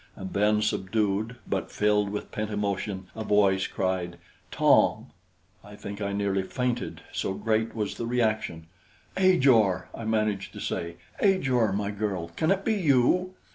And then, subdued, but filled with pent emotion, a voice cried: "Tom!" I think I nearly fainted, so great was the reaction. "Ajor!" I managed to say. "Ajor, my girl, can it be you?"